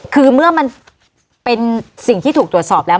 คือเมื่อมันเป็นสิ่งที่ถูกตรวจสอบแล้ว